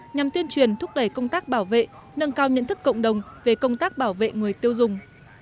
nhằm tuyên truyền thúc đẩy công tác bảo vệ nâng cao nhận thức cộng đồng về công tác bảo vệ người tiêu dùng